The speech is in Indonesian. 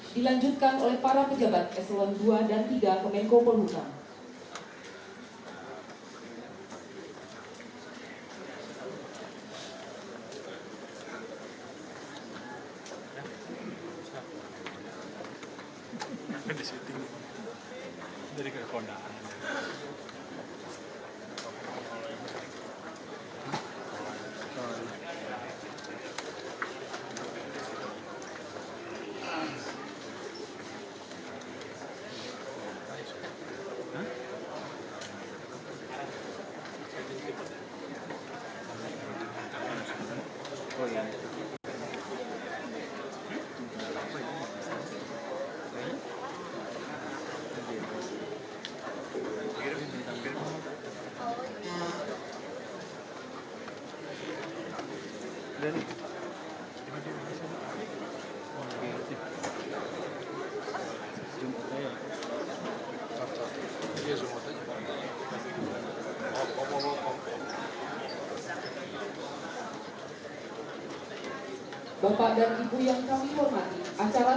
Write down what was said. dilanjutkan oleh para pejabat s satu dua dan tiga pemenko penunda